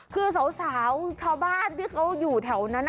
คือสาวชาวบ้านที่เขาอยู่แถวนั้น